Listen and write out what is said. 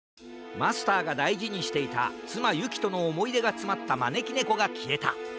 マスターがだいじにしていたつまゆきとのおもいでがつまったまねきねこがきえた。